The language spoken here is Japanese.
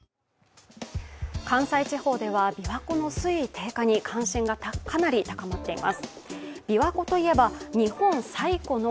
関西地方では琵琶湖の水位低下に関心がかなり高まっています。